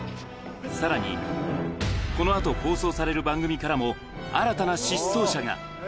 さらに、このあと放送される番組からも、新たな失踪者が。